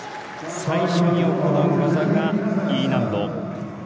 最初に行う技がＥ難度。